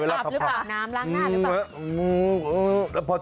ลาบใส่หรือลาบหน้ามล้างหน้าหรือเปล่า